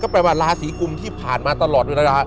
ก็แปลมาราศีกุมที่ผ่านมาตลอดเวลาค่ะ